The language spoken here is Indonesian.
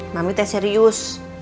mami teh serius